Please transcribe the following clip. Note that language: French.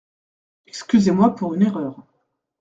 Excusez-moi pour une erreur.